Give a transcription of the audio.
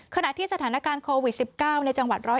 ขณะที่สถานการณ์โควิด๑๙ในจังหวัด๑๐๑